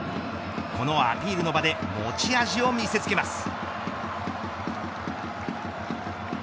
このアピールの場で持ち味を見せつけます。